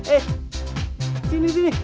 eh sini sini